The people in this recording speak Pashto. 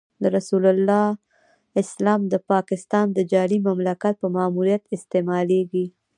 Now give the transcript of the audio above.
د رسول الله اسلام د پاکستان د جعلي مملکت په ماموریت استعمالېږي.